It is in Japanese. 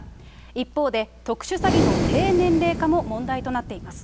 一方で、特殊詐欺の低年齢化も問題となっています。